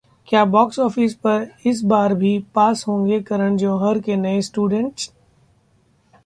क्या box office पर इस बार भी पास होंगे करण जौहर के नए स्टूडेंट?